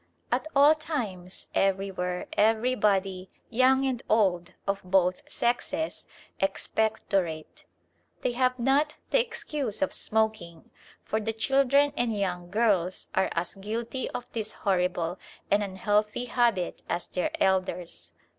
At all times, everywhere, everybody, young and old, of both sexes, expectorate. They have not the excuse of smoking, for the children and young girls are as guilty of this horrible and unhealthy habit as their elders.